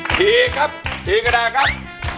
ทีครับถี่กระดาษครับ